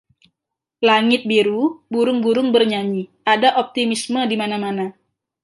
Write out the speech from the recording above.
Langit biru, burung-burung bernyanyi, ada optimisme di mana-mana.